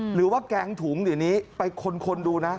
หรือว่าแกงถุงเดี๋ยวนี้ไปคนดูนะ